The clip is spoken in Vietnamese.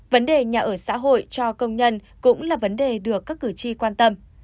vấn đề nhà ở xã hội cho công nhân cũng là vấn đề được các cử tri quan tâm